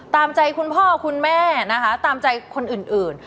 ตามใจคุณพ่อคุณแม่นะคะตามใจคนอื่น